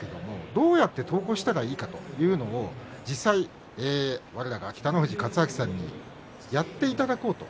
どうやって投稿すればいいのかというのを実際に我らが北の富士勝昭さんにやっていただこうと。